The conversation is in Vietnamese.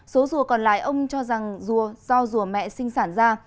số rùa còn lại ông cho rằng rùa do rùa mẹ sinh sản ra